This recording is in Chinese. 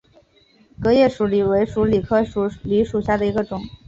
革叶鼠李为鼠李科鼠李属下的一个种。